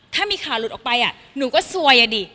ถ้ามีขาหลุดออกไปหนูก็ซวยอะดิ